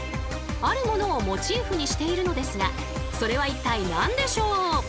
あるものをモチーフにしているのですがそれは一体何でしょう？